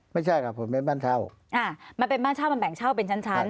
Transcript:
ไม่ใช่ครับผมเป็นบ้านเช่าอ่ามันเป็นบ้านเช่ามันแบ่งเช่าเป็นชั้นชั้น